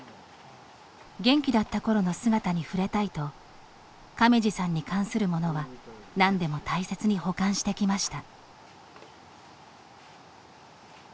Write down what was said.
元気だったころの姿に触れたいと亀二さんに関するものは何でも大切に保管してきました。